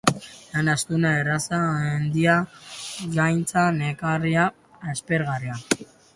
Lan astuna, erraza, handia, gaitza, nekagarria, aspergarria.